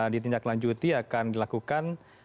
ditindaklanjuti akan dilakukan